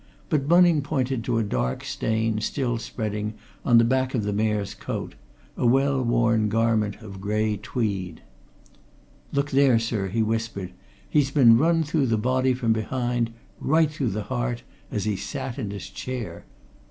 But Bunning pointed to a dark stain, still spreading, on the back of the Mayor's coat a well worn garment of grey tweed. "Look there, sir," he whispered. "He's been run through the body from behind right through the heart! as he sat in his chair.